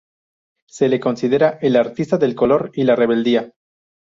Se le considera el artista del color y la rebeldía.